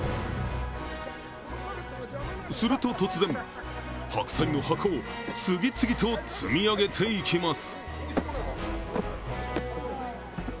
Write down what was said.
すると突然、白菜の箱を次々と積み上げていきます。